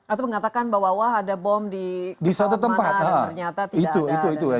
atau mengatakan bahwa ada bom di suatu tempat ternyata tidak ada